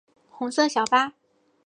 红色小巴